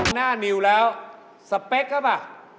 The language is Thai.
หน้ามิวแล้วสเปคเขาป่ะ